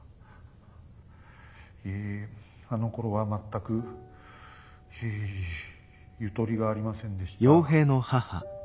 ええあのころは全くええゆとりがありませんでした。